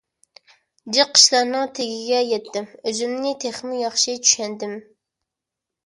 جىق ئىشلارنىڭ تېگىگە يەتتىم، ئۆزۈمنى تېخىمۇ ياخشى چۈشەندىم.